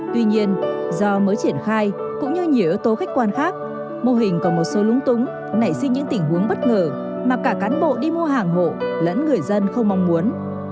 tuy nhiên do mới triển khai cũng như nhiều yếu tố khách quan khác mô hình còn một số lúng túng nảy sinh những tình huống bất ngờ mà cả cán bộ đi mua hàng hộ lẫn người dân không mong muốn